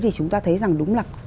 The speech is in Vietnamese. thì chúng ta thấy rằng đúng là